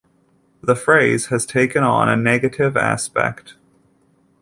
The phrase has taken on a negative aspect.